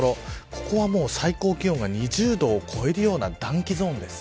ここは、最高気温が２０度を超えるような暖気ゾーンです。